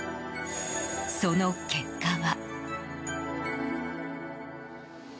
その結果は。